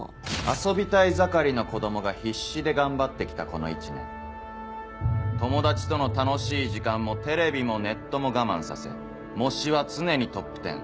「遊びたい盛りの子供が必死で頑張って来たこの１年友達との楽しい時間もテレビもネットも我慢させ模試は常にトップ１０。